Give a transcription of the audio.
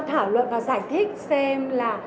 thảo luận và giải thích xem là